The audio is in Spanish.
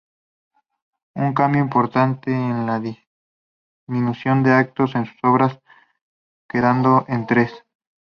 Un cambio importante es la disminución de actos en sus obras quedando en tres.